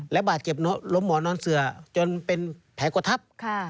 และบาดเจ็บล้มหมอนอนเสือจนเป็นแผลกดทับ